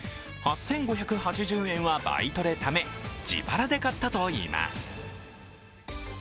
８５８０円はバイトでため、自腹で買ったといいます。